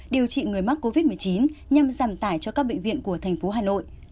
điều trị người mắc covid một mươi chín nhằm giảm tải cho các bệnh viện của thành phố hà nội